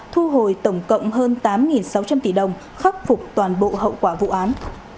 thu hồi tổng cộng hơn tám sáu trăm linh tỷ đồng khắc phục toàn bộ hậu quả vụ án